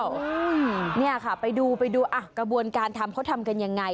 ตรงนี้ค่ะไปดูกระบวนการทำเขาทำกันยังไง